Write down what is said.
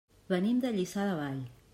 Venim de Lliçà de Vall.